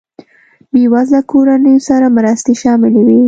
بېوزله کورنیو سره مرستې شاملې وې.